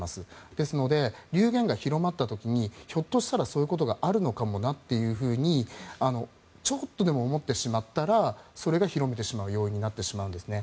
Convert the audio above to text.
ですので、流言が広まった時にひょっとしたらそういうことがあるのかもなというふうにちょっとでも思ってしまったらそれが広めてしまう要因になってしまうんですね。